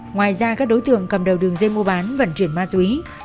ngoài ra các đối tượng cầm đầu đường dây mô bán vận chuyển má túy